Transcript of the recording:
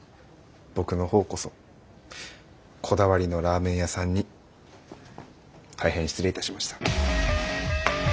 僕のほうこそこだわりのラーメン屋さんに大変失礼いたしました。